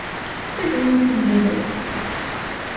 Це він усім відає.